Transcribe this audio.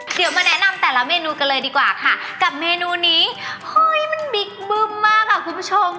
เดี๋ยวมาแนะนำแต่ละเมนูกันเลยดีกว่าค่ะกับเมนูนี้เฮ้ยมันบิ๊กบึ้มมากอ่ะคุณผู้ชม